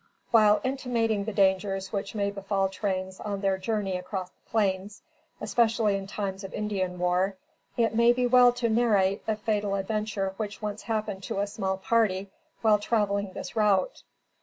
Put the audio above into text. While intimating the dangers which may befall trains on their journey across the plains, especially in time of Indian war, it may be well to narrate a fatal adventure which once happened to a mail party while traveling this route.